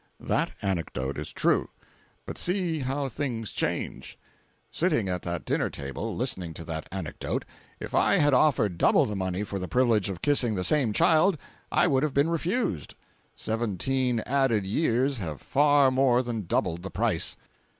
That anecdote is true. But see how things change. Sitting at that dinner table, listening to that anecdote, if I had offered double the money for the privilege of kissing the same child, I would have been refused. Seventeen added years have far more than doubled the price.